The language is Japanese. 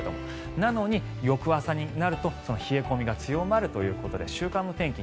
なのに、翌朝になると冷え込みが強まるということで週間の天気